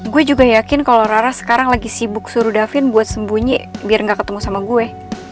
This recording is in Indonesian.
gue juga yakin kalau rara sekarang lagi sibuk suruh davin buat sembunyi biar gak ketemu sama gue